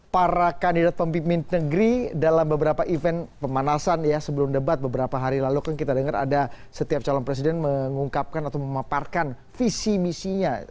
para kandidat pemimpin negeri dalam beberapa event pemanasan ya sebelum debat beberapa hari lalu kan kita dengar ada setiap calon presiden mengungkapkan atau memaparkan visi misinya